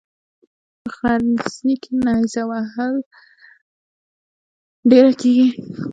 په غزني کې نیره وهنه ډېره کیږي.